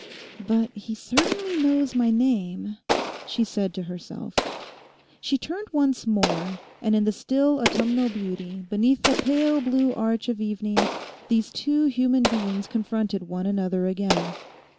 'But he certainly knows my name,' she said to herself. She turned once more, and in the still autumnal beauty, beneath that pale blue arch of evening, these two human beings confronted one another again.